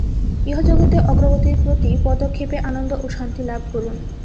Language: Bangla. ইহজগতে অগ্রগতির প্রতি পদক্ষেপে আনন্দ ও শান্তি লাভ করুন।